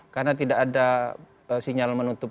karena tidak ada sinyal menutup